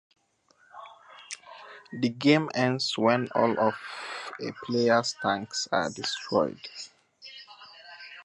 The game ends when all of a player's tanks are destroyed.